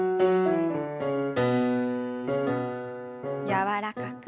柔らかく。